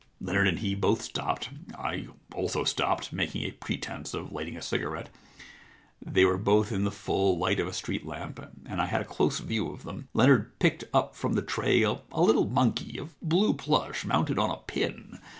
Leonard and he both stopped. I also stopped, making a pretence of light ing a cigarette. They were both in the full light of a street lamp, and I had a close view of them. Leonard picked up from the tray a little monkey of blue plush mounted on a pin.